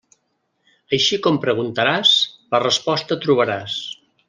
Així com preguntaràs, la resposta trobaràs.